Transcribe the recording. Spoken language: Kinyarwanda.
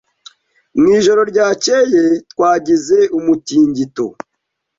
Mu ijoro ryakeye twagize umutingito.